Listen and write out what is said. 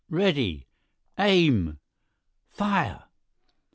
… Ready!… Aim!… Fire!"